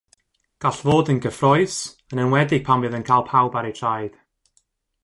Gall fod yn gyffrous, yn enwedig pan fydd yn cael pawb ar eu traed.